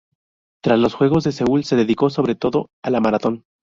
Tras los Juegos de Seúl se dedicó sobre todo a la maratón.